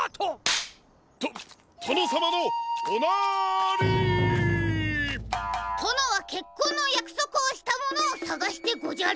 カチン！ととのさまのおなり！とのはけっこんのやくそくをしたものをさがしてごじゃる！